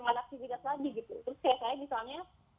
mada aktivitas lagi gitu terus saya misalnya